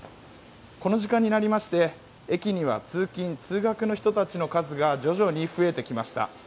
この時間になりまして駅には通勤・通学の人の数が徐々に増えてきました。